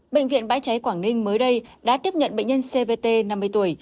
bệnh viện bãi cháy quảng ninh mới đây đã tiếp nhận bệnh nhân cvt năm mươi tuổi